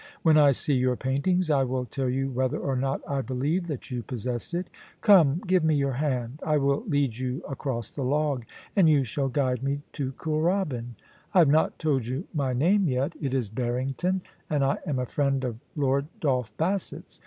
When I see your paintings I will tell you whether or not I believe that you possess it Come, give me your hand ; I will lead you across the log, and you shall guide me to Kooralbyn. I have not told you my name yet; it is Barrington, and I am a friend of Lord Dolph Bassett's.